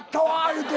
言うて。